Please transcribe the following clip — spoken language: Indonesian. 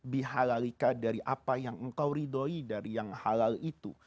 bihalalika dari apa yang engkau ridhoi dari yang halal itu